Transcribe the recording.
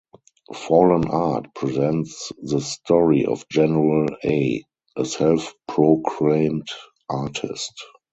"Fallen Art" presents the story of General A, a self-proclaimed artist.